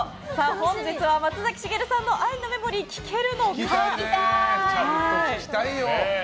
本日は松崎しげるさんの「愛のメモリー」を聴きたいよ。